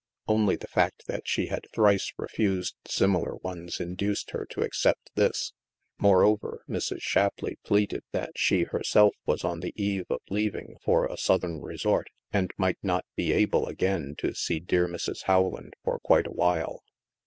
Only the fact that she had thrice refused similar ones induced her to accept this. Moreover, Mrs. Shapleigh pleaded that she, herself, was on the eve of leaving for a Southern resort and might not be able again to see dear Mrs. Rowland for quite a while.